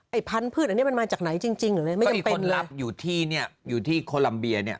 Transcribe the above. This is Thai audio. ไอ้พันธุ์พืชอันนี้มันมาจากไหนจริงหรืออะไรไม่จำเป็นเลยก็อีกคนลับอยู่ที่เนี่ยอยู่ที่โคลัมเบียเนี่ย